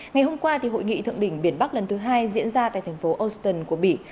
ngày hôm qua hội nghị thượng đỉnh biển bắc lần thứ hai diễn ra tại thành phố auston của bỉ